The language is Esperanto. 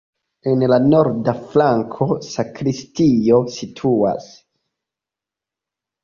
En la norda flanko sakristio situas.